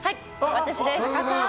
私です。